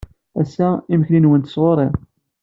Ass-a, imekli-nwent sɣur-i.